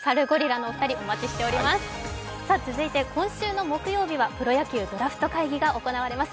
続いて今週の木曜日はプロ野球ドラフト会議が行われます。